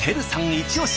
イチオシ